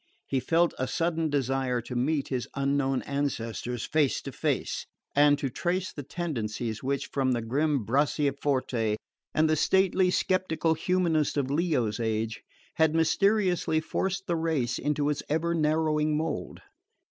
He felt a sudden desire to meet his unknown ancestors face to face, and to trace the tendencies which, from the grim Bracciaforte and the stately sceptical humanist of Leo's age, had mysteriously forced the race into its ever narrowing mould.